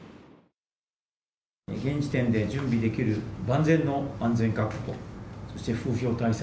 現時点で準備できる万全の安全確保、そして風評対策、